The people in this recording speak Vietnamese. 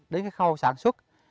đến cái khâu sản xuất